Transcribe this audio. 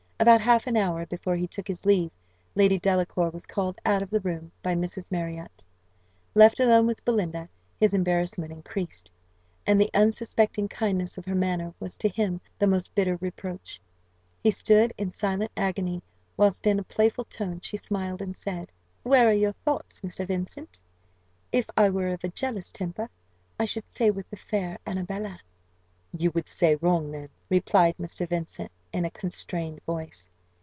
About half an hour before he took his leave, Lady Delacour was called out of the room by Mrs. Marriott. Left alone with Belinda, his embarrassment increased, and the unsuspecting kindness of her manner was to him the most bitter reproach. He stood in silent agony whilst in a playful tone she smiled and said, "Where are your thoughts, Mr. Vincent? If I were of a jealous temper, I should say with the fair Annabella " "You would say wrong, then," replied Mr. Vincent, in a constrained voice.